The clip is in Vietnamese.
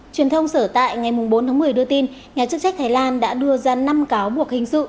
truyền thông sở tại ngày bốn tháng một mươi đưa tin nhà chức trách thái lan đã đưa ra năm cáo buộc hình sự